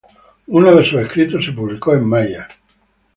Uno de sus escritos se publicó en maya.